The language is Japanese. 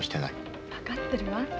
分かってるわ。